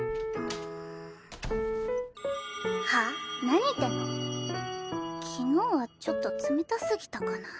何言昨日はちょっと冷たすぎたかな。